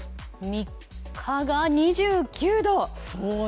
３日が２９度。